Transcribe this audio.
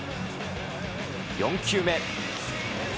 ４球目。